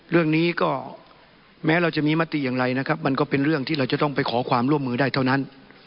เรื่องนี้ก็แม้เราจะมีมติอย่างไรนะครับมันก็เป็นเรื่องที่เราจะต้องไปขอความร่วมมือได้เท่านั้น